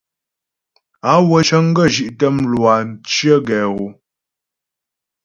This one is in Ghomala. Á wə́ cə́ŋ gə zhí'tə mlwâ cyə̀ gɛ hɔ.